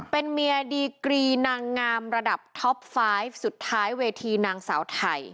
เป็นเมียดีกรีนางงามระดับท็อปไฟล์สุดท้ายเวทีนางสาวไทย